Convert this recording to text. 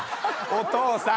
お父さん！